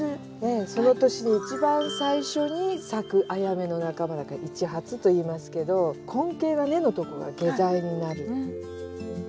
その年に一番最初に咲くアヤメの仲間だからイチハツといいますけど根茎が根のとこが下剤になる。